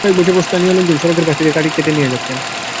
কয়েক বছর ধরে স্থানীয় লোকজন সড়কের পাশ থেকে গাছ কেটে নিয়ে যাচ্ছেন।